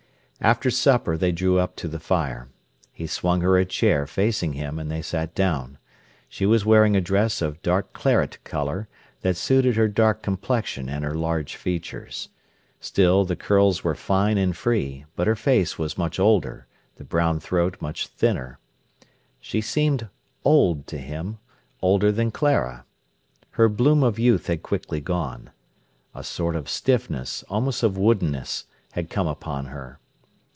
After supper they drew up to the fire. He swung her a chair facing him, and they sat down. She was wearing a dress of dark claret colour, that suited her dark complexion and her large features. Still, the curls were fine and free, but her face was much older, the brown throat much thinner. She seemed old to him, older than Clara. Her bloom of youth had quickly gone. A sort of stiffness, almost of woodenness, had come upon her.